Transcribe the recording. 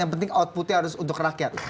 yang penting outputnya harus untuk rakyat